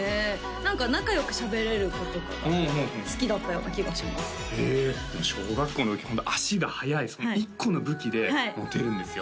何か仲良くしゃべれる子とかが好きだったような気がしますへえ小学校の時ホント足が速いその１個の武器でモテるんですよ